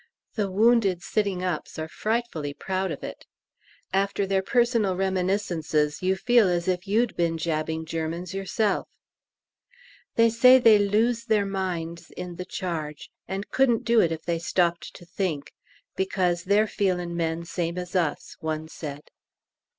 The wounded sitting ups are frightfully proud of it. After their personal reminiscences you feel as if you'd been jabbing Germans yourself. They say they "lose their minds" in the charge, and couldn't do it if they stopped to think, "because they're feelin' men, same as us," one said.